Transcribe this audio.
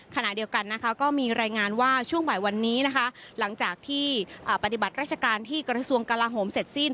ขณะเดียวกันนะคะก็มีรายงานว่าช่วงบ่ายวันนี้นะคะหลังจากที่ปฏิบัติราชการที่กระทรวงกลาโหมเสร็จสิ้น